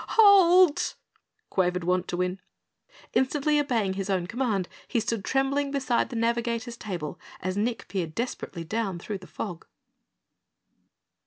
"HALT!" quavered Wantowin. Instantly obeying his own command, he stood trembling beside the navigator's table as Nick peered desperately down through the fog.